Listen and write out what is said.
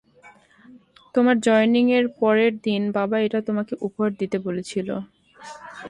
তোমার জয়েনিং এর পরের দিন, বাবা এটা তোমাকে উপহার দিতে বলেছিল।